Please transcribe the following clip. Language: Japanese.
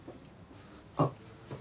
あっ。